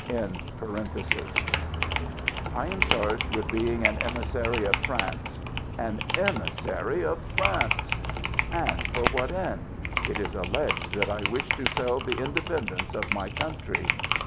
"] I am charged with being an emissary of France ! An emissary of France ! And for what end ? It is alleged that I wished to sell the independence of my country